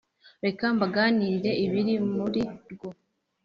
reka mbaganirire ibiri muri rwo,